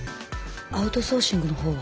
アウトソーシングの方は？